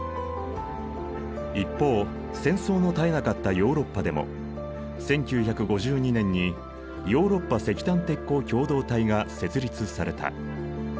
一方戦争の絶えなかったヨーロッパでも１９５２年にヨーロッパ石炭鉄鋼共同体が設立された。